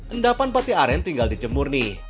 endapan pate aren tinggal dijemurni